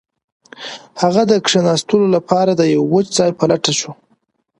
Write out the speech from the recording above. هغه د کښیناستلو لپاره د یو وچ ځای په لټه شو